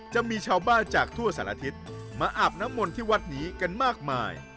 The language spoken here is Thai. จะมีชาวบ้านจากทั่วสารทิศมาอาบน้ำมนต์ที่วัดนี้กันมากมาย